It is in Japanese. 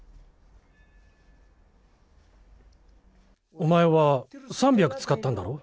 お前は３００つかったんだろう？